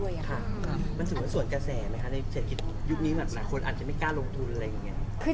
ยุคนี้หมากคนอาจจะไม่กล้าลงทุน